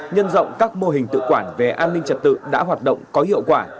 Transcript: nhân rộng các mô hình tự quản về an ninh trật tự đã hoạt động có hiệu quả